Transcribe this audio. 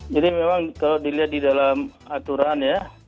jadi memang kalau dilihat di dalam aturan ya